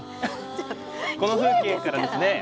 この風景からですね